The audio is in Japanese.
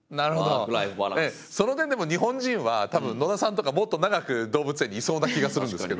その点でも日本人は多分野田さんとかもっと長く動物園にいそうな気がするんですけど。